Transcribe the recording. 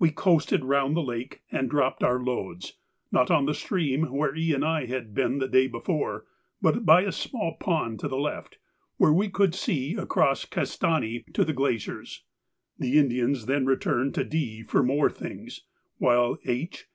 We coasted round the lake and dropped our loads, not on the stream where E. and I had been the day before, but by a small pond to the left, where we could see across Castani to the glaciers. The Indians then returned to D for more things, while H.